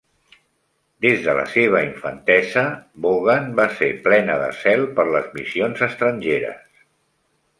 Des de la seva infantesa, Vaughan va ser plena de cel per les missions estrangeres.